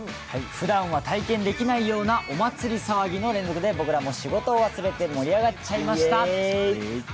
ふだんは体験できないようなお祭騒ぎで僕らも仕事を忘れて盛り上がっちゃいました。